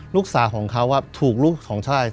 ลูกสาวของเขาถูกลูกของชาย